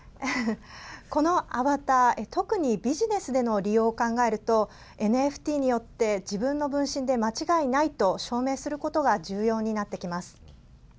このアバター、特にビジネスでの利用を考えるとＮＦＴによって自分の分身で間違いないと証明することが重要になってきます。